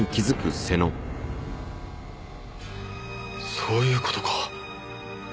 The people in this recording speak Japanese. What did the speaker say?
そういう事か。